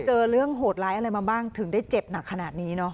เจอเรื่องโหดร้ายอะไรมาบ้างถึงได้เจ็บหนักขนาดนี้เนอะ